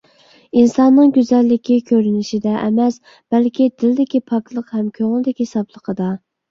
ئىنساننىڭ گۈزەللىكى كۆرۈنۈشىدە ئەمەس، بەلكى دىلىدىكى پاكلىق ھەم كۆڭلىدىكى ساپلىقىدا.